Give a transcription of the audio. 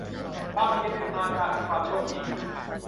ความเพียรเป็นมารดาของความโชคดี